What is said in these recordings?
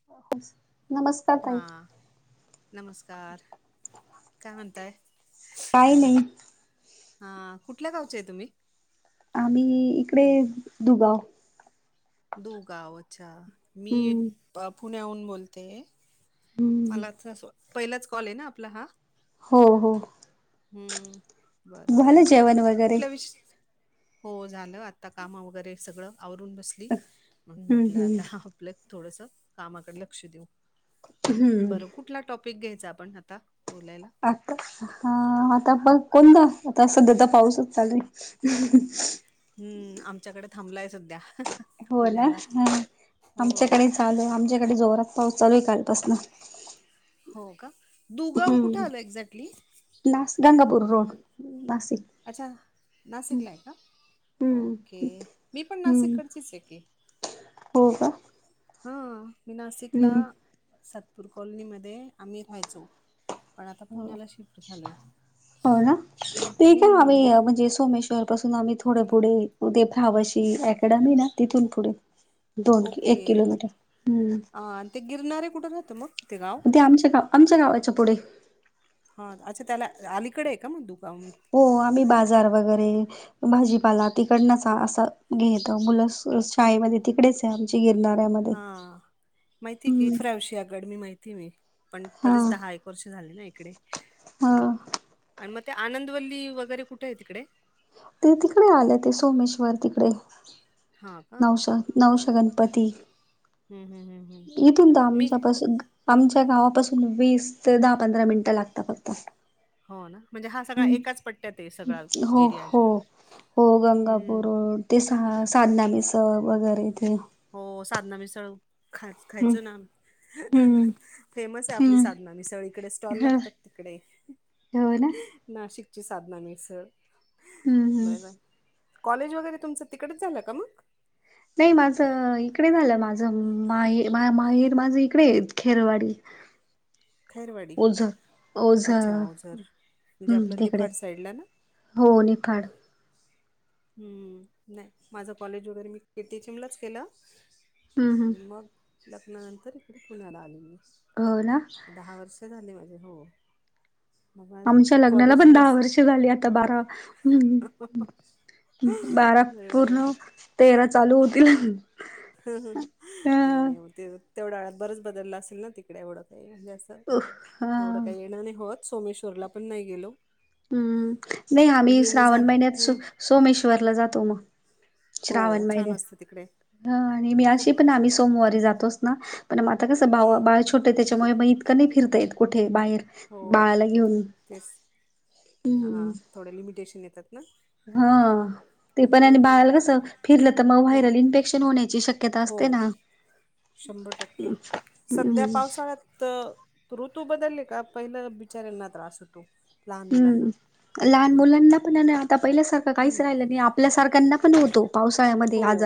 [inaudible] ताई हा नमस्कार काय म्हणताय काही नाही हा कुठल्या गावचे आहे तुम्ही आम्ही इकडे दुगाव दो गावच्या मी हम्म अप पुण्याहून बोलतेये हम्म मलाच असं पहिलाच कॉल आहे ना आपला हा? हो हो हम्म बर बरं झालं जेवण वगैरे कुठल्या विष हो झालं आता काम वगैरे सगळं आवरून बसली म्हणून हम्म म्हंटलं हम्म आता आपलं थोडंसं कामाकड लक्ष देऊ हम्म बर कुट कुठला टॉपिक घ्यायचा आपण आता बोलायला? आता ह अ आता बघ कोण द आता सध्या तर पाऊसच चालूय हम्म आमच्याकडे थांबलाय सध्या हो ना पुण्याला ह हो आमच्याकडे चालू आमच्याकडे जोरात पाऊस चालू ये कालपासन हो का दुगाव कुठं आलं एक्झॅक्टली? ना गंगापूर रोड नासिक अच्छा नाशिकला आहे का हम्म ओके मी पण हम्म नाशिककडचीच आहे की हो का हा मी नाशिकला हम्म सातपूर कॉलनीमध्ये आम्ही राहायचो. पण आता हो पुण्याला शिफ्ट झालोय उम हम्म नाही म्हणजे सोमेश्वर पासून आम्ही थोडं पुढे उ ते फावशी अकॅडमी ना तिथून पुढे दोन एक ओके किलोमीटर हम्म अ ते गिरणारे कुठे राहत मग तेे गावं? ते आमच्या गाव आमच्या गावाच्या पुढे हा अच्छा त्याला अलीकडे आहे का मग दुका हो आम्ही बाजार वगैरे भाजीपाला तिकडनच असं घेतो मुलं स शाळेमध्ये तिकडेच आमच्या गिरणाऱ्यामध्ये हम्म ओशिया गड मी माहिती नाही पण हा बरेच दहा एक वर्ष झाले ना इकडे हा आणि मग ते आनंदवल्ली वगैरे कुठं ये तिकडे ते तिकडे आले ते सोमेश्वर तिकडे हा का हम्म नवशा नवशा गणपती हम हम हम इथून तर आमच्या पासूद आमच्या गावापासून वीस ते दहा पंधरा मिनिटं लागता फक्त हो ना म्हणजे हा सगळा हम्म एकाच पट्ट्याते सगळा हो हो एरियाच्या हो गंगापूर अ ते सहा साधना मिस वगैरे ते हो साधना मिसळू खाय हम्म खायचं नाम हम्म फेमस आहे आपली हम्म साधना मिसळ इकडे स्टॉल ह लागतात तिकडे [unintelligible] नाशिकची साधना मिसळ हम्म हम्म [unintelligible] कॉलेज वगैरे तुमचं तिकडचं झालं का मग? नाही माझं इकडे झालं माझं माहे मा माहेर माझ इकडं आहे खेरवाडी [inaudible] खेरवाडी ओझर अच्छा ओझर म्हणजे हम्म आपलं तिकडे निफाड साईडला ना? हो निफाड हम्म नाही माझं कॉलेज वगैरे मी ए टी एच एम लाच केलं हम्म हम्म आणि मग लग्नानंतर इकडे पुण्याला आली मी हो ना दहा वर्ष झाले माझे हो मग आमच्या लग्नाला कॉलेज पण दहा नस वर्ष झाली आता बारा उम्म उम बारा बरोबर पूर्ण तेरा चालू होतील हा हा ह नाही नाही मग ते तेवढा बरच बदलल असेल ना तिकडे एवढं काही म्हणजे असं एवढं हा काही येणं नाही होत सोमेश्वरला पण नाही गेलो हम्म नाही आम्ही येणं श्रावण झालं महिन्यात सो हम्म. सोमेश्वरला जातो म हो श्रावण छान असतं तिकडे महिन्यात हा आणि मी खूप अशी पण आम्हीच सोमवारी जातोच ना पण आता कसं बाव हम्म. बाळ छोटं आहे त्याच्यामुळे म इतकं नाही फिरता येत कुठे बाहेर हो बाळाला घेऊन तेच हा हम्म थोड लिमिटेशन येतात ना हा ते पण आणि हम्म. बाळाला कसं फिरलं तर मग व्हायरल इन्फेक्शन होण्याची शक्यता हो असते ना शंभर हम्म. तर ऋतू बदलले का पहिलं बिचाऱ्यांना त्रास होतो लहान मुलांना हम्म. लहान मुलांना पण आणि आता पहिल्या सारख आता हम्म काहीच राहिलं नाही आपल्या सारख्यांना पण होतो पावसाळ्यामध्ये हो आज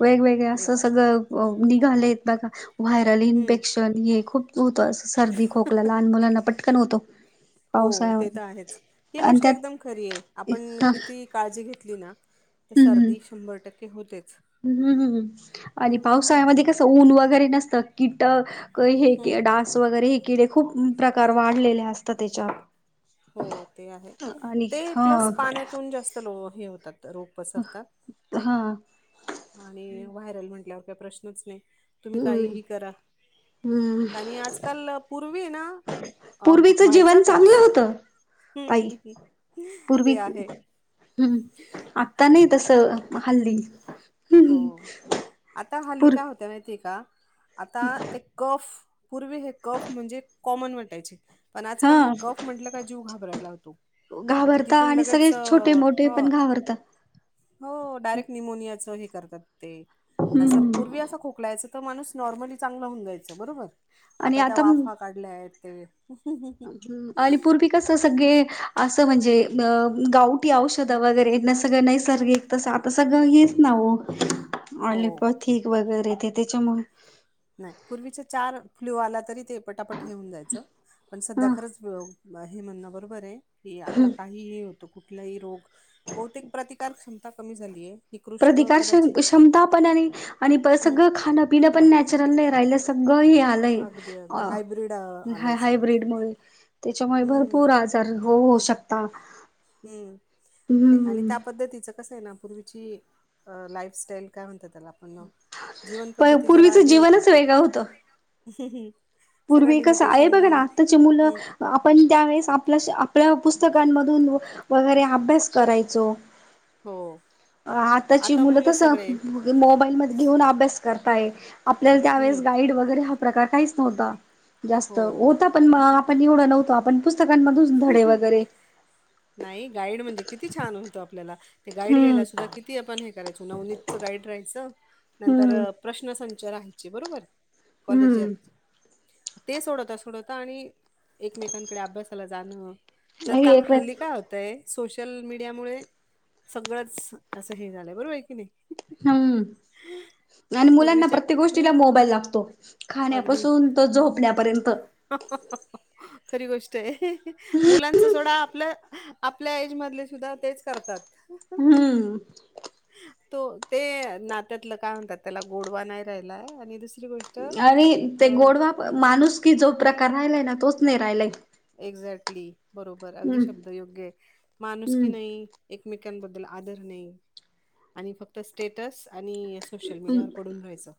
वेगवेगळ एक असं सगळं अह निघालेत बघा व्हायरल हम्म इन्फेक्शन हे खूप होतो असं सर्दी खोकला लहान मुलांना पटकन होतो हो ते पावसाळ्यामध्ये तर आहेच ही आणि गोष्ट त्यात एकदम खरी आहे आपण हा कितीही काळजी घेतली ना तर हम्म सर्दी शंभर टक्के होतेच हम्म हम्म आणि हम्म पावसाळ्यामध्ये कस असं ऊन वगैरे नसत कीट हम्म अह डास स वगैरे हे किडे खूप प्रकार वाढलेले असतात त्याच्या हो ते आहे ते हा प्लस पाण्यातून जास्त लो हे होतात रोग पसरतात हा आणि व्हायरल म्हटल्यावर काही प्रश्नच नाही तुम्ही हम्म काहीही करा हम्म. आणि आजकाल पूर्वी आहे ना पूर्वीचं व्हायचा जीवन चांगलं त्रास होतं हम्म, ताई हम्म, हम्म. ते पूर्वी आहे हम्म आता नाही तसं हल्ली हो हम्म आता हल्ली पूर काय होत माहितीय का आता ते कफ पूर्वी हे कफ म्हणजे कॉमन वाटायचे पण हा आजकाल हे कफ म्हटलं का जीव घाबरायला होतो म घाबरता तिथून आणि सगळे लगेच छोटे मोठे हो पण घाबरता हो डायरेक्ट न्युमोनियाचं हे करतात ते असं हम्म पूर्वी असं खोकलायचं तर माणूस नॉर्मली चांगला होऊन जायचं बरोबर आता त्या वाफा काढल्या आहेत ते अलिपूर बी कसं सगळे असं म्हणजे अह गावटी औषधं वगैरे ना सगळं नैसर्गिक तसं आता सगळं हेच ना हो कत आलोपथी वगैरे ते त्याच्यामुळे नाही पूर्वीच्या चार फ्ल्यू आला तरी ते पटापट घेऊन जायचं पण सध्या ह खरंच हे म्हण बरोबर आहे की आता काय ही हे होत कुठलाही रोग बहुतेक प्रतिकार क्षमता कमी झाली आहे प्रतिकार क्ष क्षमतापण आणि हम्म सगळं खाण पिन पण नॅचरल नाही राहिलं सगळं इ हाल नाही अगदी अ अगदी हायब्रीड आलंय सगळं हायब्रीड मुळं... त्याचा मुळं भरपूर हम्म. आज तर होऊ शकता.. ! हम्म आणि त्या पद्धतीचं कस आहे ना पूर्वीची लाईफस्टाईल काय म्हणत्यात त्याला.. पण जीवन प पद्धती जरा पूर्वीचं हे होती जीवनच वेगळं होतं सगळं पूर्वी कसं आहे लिमिटेशन बघ ना आत्ताचे मुलं हम्म. आपण त्यावेेळेस आपल्या आपल्या पुस्तकांमधून वगैरे अभ्यास करायचो.. हो आताची आता मुलं सगळे तर मोबाईल मध्ये घेऊन अभ्यास करताय आपल्याला त्यावेेळेस हम्म. गाईड वगैरे हा प्रकार काहीच नव्हता जास्त... हो होता पण आपण एवढं नव्हतो आपण पुस्तकांमधून धडे वगैरे नाही गाईड म्हणजे किती छान हुतं आपल्याला ते गाईड हम्म घ्यायला सुद्धा किती आपण हे करायचो.. नवनीत गाईड राहायच नंतर हम्म प्रश्नसंच राहायची बरोबर.. ! हम्म कॉलेज्यात ते सोडवता सोडवता आणि एकमेकांकडे अभ्यास.. जाणं तर हे तं एक हल्ली काय होतंय.. सोशल मीडिया मुळे सगळंच असं हे झालंय बरोबर आहे की नाही हम्म आणि मुलांना पूर्वीच्या प्रत्येक हम्म, गोष्टीला मोबाईल लागतो अगदी खाण्यापासून तो झोपण्यापर्यंत खरी गोष्ट आहे.. मुलांच सोडा आपलं आपल्या एज मधले सुद्धा तेच करतात हम्म. तो ते नात्यातलं काय म्हणतात त्याला गोडवा नाही राहिलाय आणि दुसरी गोष्ट आणि ते अ गोडवा माणूस की जो प्रकार राहिलाय ना तोच नाही राहिलाय. एक्झॅक्टली बरोबर अगदी हम्म शब्द योग्य आहे! माणुसकी नाही एकमेकांबद्दल आदर नाही आणि फक्त तर स्टेटस आणि सोशल हम्म मीडियावर पडून राहायचं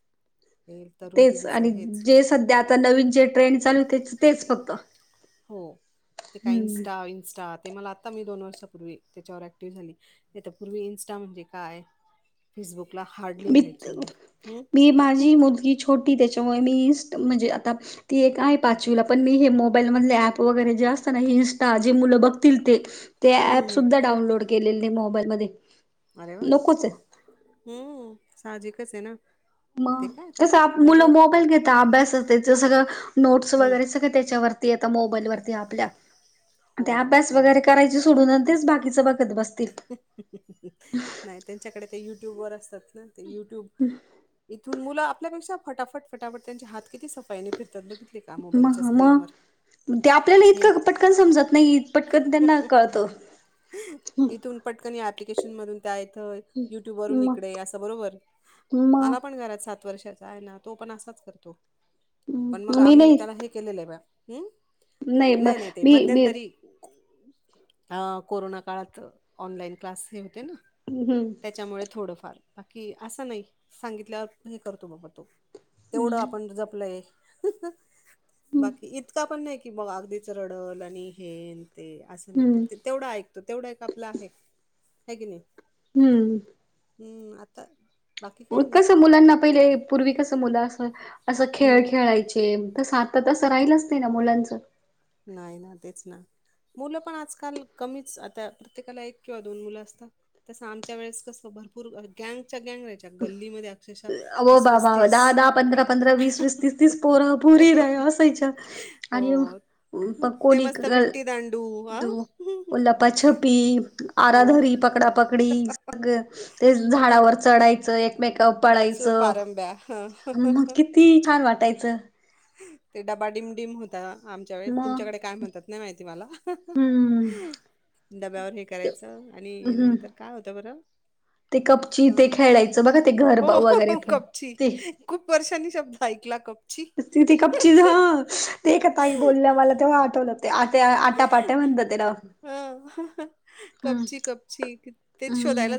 हे तरुण तेच पिढीचं आणि हेच.. जे सध्या आता नवीन जे ट्रेंड चालूते तेच फक्त हो ते काय हम्म इन्स्टा -इन्स्टा ते मला आता मी दोन वर्षांपूर्वी त्याच्यावर ऍक्टिव्ह झाली. नाही तर पूर्वी इन्स्टा म्हणजे काय फेसबुकला हार्डली राहायची मी... म्म मी माझी मुलगी छोटी त्याच्यामुळे मी इ म्हणजे आता ती एक आहे पाचवीला पण मी हे.. मग मोबाईल मधले ऍप वगैरे जे असतं ना इन्स्टा जे मुल बघतील ते, ते हम्म हम्म अँप हम्म. सुद्धा डाउनलोड केलेले नाही मोबाईल मध्ये. अरे वा हम् सहाजिकच आहे ना... ते मग... काय आता तसं मुलं मोबाईल घेता अभ्यास त्येच सगळं नोट्स हं, वगैरे सगळं त्याच्यावर.. ते येतं मोबाईल वरती आपल्या... ते हो, अभ्यास नाही. वगैरे करायचं सोडून तेच बाकीच बघत बसत.. नाही त्यांच्याकडे ते युट्युबर असतात ना ते युट्युब हम् इथून मुलं आपल्यापेक्षा फटाफट फटाफट त्यांचे हात किती सफाईने फिरत्यात बघितलं.. त्या मग मोबाईलच्या मग स्क्रीनवर ते आपल्याला हे इतकं पटकन समजत नाही पटकन त्यांना कळतं इथून पटकन ऍप्लिकेशन मधून काय येतंय युट्यूब वरून मग इकडे अस बरोबर मला पण घरात सात वर्षाचा आहे ना तो पण असाच करतो पण मग मी आम्ही नाही त्याला हे केलेलं आहे बा.. हम् म नाही नाही ते मी मी मध्यंतरी. हा कोरोना काळात ऑनलाइन क्लास हे होते ना हम्म, हम्म त्याच्यामुळे थोडंफार बाकी असं नाही सांगितल्यावर हे करतो बाबा तो.. तेवढं आपण हम्म जपलंय बाकी इतका पण नाही कि मग अगदीच रडल आणि हेन ते.. असुदे हम्म ते तेवढा ऐकतो तेवढा एक आपला आहे हे की नाही. हम्म. हम्म आता. बाकी काय नाही कस मुलांना पहिले पूर्वी कस मुलं अस असं खेळ हम्म खेळायचे त तर तसं राहिलंच नाही ना मुलांच. नाही ना तेच ना. मुलं पण आजकाल कमीच आता प्रत्येकाला एक किंवा दोन मुलं असतात. तसं आमच्या वेळेस कसं भरपूर गँगच्या गँग रहायची हो बाबा दहा, दहा पंधरा, पंधरा, वीस, वीस तीस, तीस पोर, पोरी र अस आर ये हो. ते पकोडी मस्त ग विट्टी दांडू हा दु [unintelligible] उलपा छपी, हो. आराधरी, पकडा पकडी, सग ते ह झाडावर चढायचं एकमेकावर सूर पारंब्या पळायचं मग कि ती छान वाटायचं. ते डबा डीमडीम होता आमच्या वेळे मग तुमच्याकडे काय म्हणतात नाही माहिती मला हम्म डब्यावर हे करायचं आणि हम्म नंतर काय होतं बरं ते कपची हा ते खेळायचं बघा ते घर हो वगैरे हो पण कपची ते खूप वर्षांनी शब्द ऐकला कपची ती कपची ह ते का ताई बोलण्या मला तेव्हा आठवलं. ते आता आटा पाट्या म्हणता त्याला ह हम्म. कपची कपची क हम्म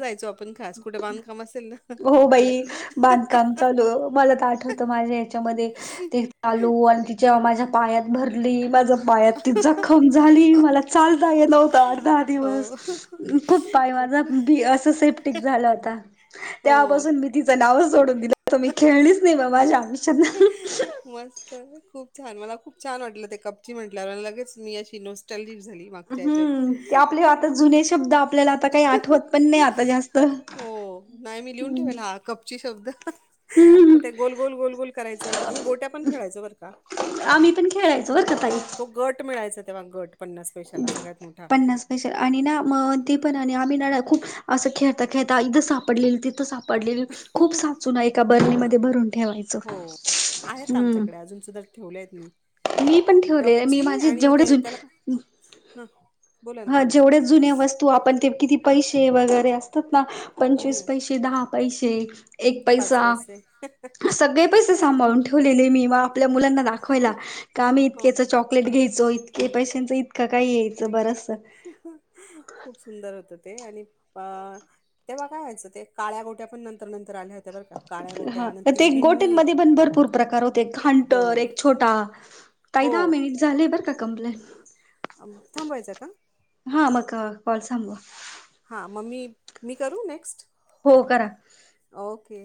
असेल ना हो तिकडे बाई बांधकाम चालू मला तर आठवत माझ्या ह्याच्यामध्ये ते चालू आणि तिच्या माझ्या पायात भरली माझ पायात ती जखम झाली मला चालता येत नव्हत आठ, दहा दिवस हो खूप पाय माझा लक- बी अस सेफ्टिक झालं होता हो तेव्हापासून मी तिचं नावच जोडून दिलं त मी खेळलीच नाही बा माझ्या आयुष्याना मस्त खूप छान मला खूप छान वाटलं ते कपची म्हटल्यावर लगेच मी अशी नोस्टल लिप झाली मागच्या ह्याच्यात. हम्म ते आपले आता जुने शब्द आपल्याला आता काही आठवत पण नाही आता जास्त हो नाही मी लिहून हम्म ठेवायला ह कपची शब्द हम्म मग ते गोल, गोल, गोल गोल करायचं आम्ही गोट्या पण खेळायच बर का आम्ही पण खेळायचो बर का ताई तो गट मिळायचा तेव्हा गट पन्नास पैशाला सगळ्यात मोठा अ आणि ना मग ते पणा आणि आम्ही ना खूप असं खेळता, खेळता इथं सापडलेलं तिथं सापड पडलेली खूप साचून एका बरणीमध्ये भरून ठेवायची. हो आहेत आमच्याकडे अजून सुद्धा ठेवलेय आहेत पण मी ठेवले मी कपची माझी आणि जेवढे त्या जुन त्याला का ह हा जेवढ्या जुन्या वस्त तू आपण ते किती पैसे वगैरे असतात ना पंचवीस हम्म, पैसे, दहा पैसे एक पाच पैसा पैसे सगळे पैसे सांभाळून ठेवलेले मी वा आपल्या मुलांना दाखव दाखवायला का आम्ही हो इतक्याच चॉकलेट घ्यायचो इतके पैशांचं इतकं काय यायचं बर खूप सुंदर होत ते आणि अ तेव्हा काय व्हायचं ते काळ्या गोट्या पण नंतर, नंतर आल्या होत हा ते गोट्यांमध्ये पण भरपूर प्रकार होते हो घांटर एक छोटा ताई हो दहा मिनिट झाले बरं का कंपलेट थांबवायचं का? हा मग कॉल सा [unintelligible] हा मग मी, मी करू नेक्स्ट? हो करा. ओके.